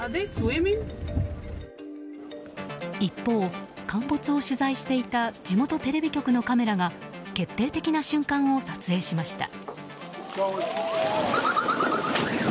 一方、陥没を取材していた地元テレビ局のカメラが決定的な瞬間を撮影しました。